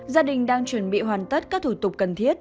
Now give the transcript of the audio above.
gia đình đang chuẩn bị hoàn tất các thủ tục cần thiết